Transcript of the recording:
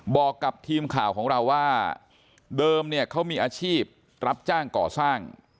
บอกกับทีมข่าวของเราว่าเดิมเนี่ยเขามีอาชีพรับจ้างก่อสร้าง